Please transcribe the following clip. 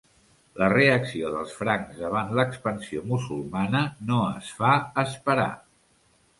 La reacció dels francs davant l'expansió musulmana no es fa esperar.